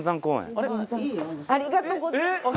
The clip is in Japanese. ありがとうございます。